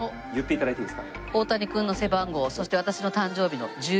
大谷君の背番号そして私の誕生日の１７。